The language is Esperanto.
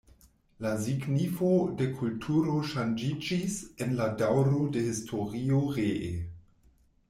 La signifo de kulturo ŝanĝiĝis en la daŭro de historio ree.